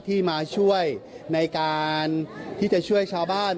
ที่มาช่วยในการที่จะช่วยชาวบ้าน